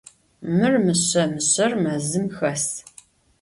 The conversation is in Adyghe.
Mır mışse, mışser mezım xes.